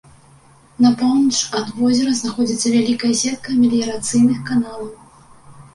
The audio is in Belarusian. На поўнач ад возера знаходзіцца вялікая сетка меліярацыйных каналаў.